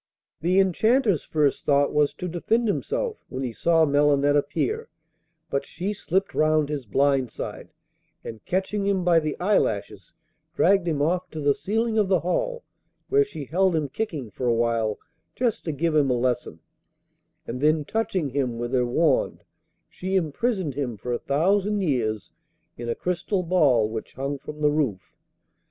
The Enchanter's first thought was to defend himself when he saw Melinette appear, but she slipped round his blind side, and catching him by the eyelashes dragged him off to the ceiling of the hall, where she held him kicking for a while just to give him a lesson, and then touching him with her wand she imprisoned him for a thousand years in a crystal ball which hung from the roof.